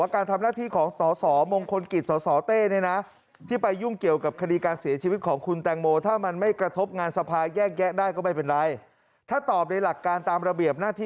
โฆษฐก็จะแถลงเองครับ